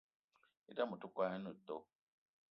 E'dam ote kwolo ene too